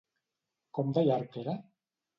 Com de llarg era?